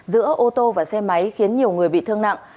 giữa ô tô và xe máy khiến nhiều người bị thương nặng